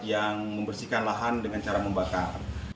yang membersihkan lahan dengan cara membakar